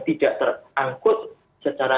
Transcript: tidak terangkut secara